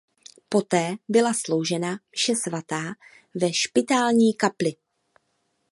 Poté byla sloužena mše svatá ve špitální kapli.